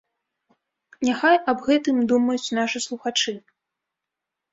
Няхай аб гэтым думаюць нашы слухачы.